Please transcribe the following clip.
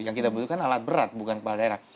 yang kita butuhkan alat berat bukan kepala daerah